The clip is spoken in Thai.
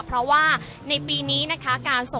เพราะว่าในปีนี้นะคะการส่งท้ายปีเก่า